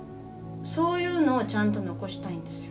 そういうのをちゃんと残したいんですよ。